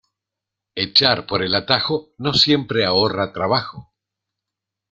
Echar por el atajo no siempre ahorra trabajo.